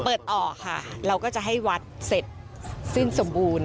เปิดต่อค่ะเราก็จะให้วัดเสร็จสิ้นสมบูรณ์